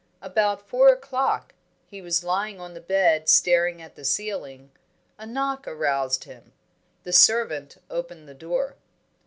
About four o'clock he was lying on the bed, staring at the ceiling a knock aroused him. The servant opened the door.